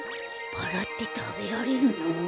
バラってたべられるの？